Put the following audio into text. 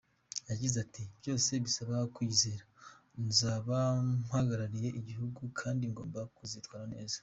Yagize ati “Byose bisaba kwiyizera, nzaba mpagarariye igihugu kandi ngomba kuzitwara neza.